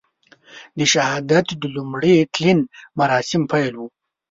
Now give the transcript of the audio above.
د شهادت د لومړي تلین مراسم پیل وو.